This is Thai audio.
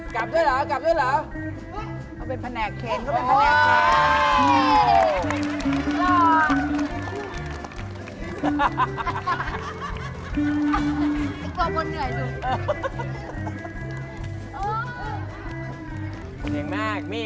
ครับค่ะ